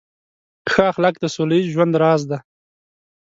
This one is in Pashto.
ښه اخلاق د سوله ییز ژوند راز دی.